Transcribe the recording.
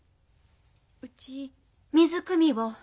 うち水くみを。